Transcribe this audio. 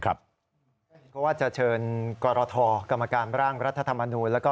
ครับเพราะว่าจะเชิญกรทกรรมการร่างรัฐธรรมนูนแล้วก็